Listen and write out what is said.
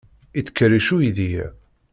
Yettkerric uydi-a.